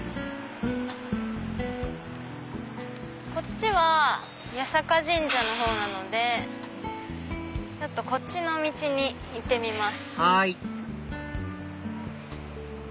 こっちは八坂神社のほうなのでこっちの道に行ってみます。